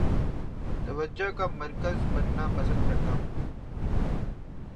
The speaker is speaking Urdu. توجہ کا مرکز بننا پسند کرتا ہوں